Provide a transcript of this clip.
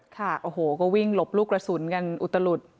ค่ะโอ้โหก็วิ่งหลบลูกกระสุนกันอุตลุด